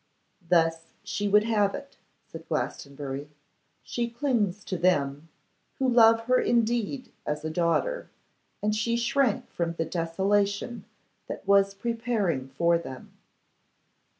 'Thus she would have it,' said Glastonbury. 'She clings to them, who love her indeed as a daughter; and she shrank from the desolation that was preparing for them.